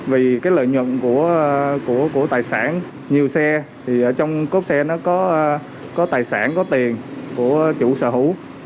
vì cái lợi nhuận của tài sản nhiều xe thì ở trong cốp xe nó có tài sản có tiền của chủ sở hữu